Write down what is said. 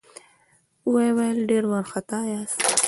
ويې ويل: ډېر وارخطا ياست؟